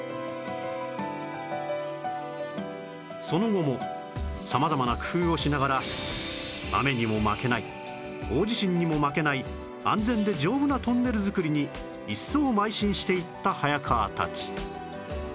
その後も様々な工夫をしながら雨にも負けない大地震にも負けない安全で丈夫なトンネルづくりに一層邁進していった早川たち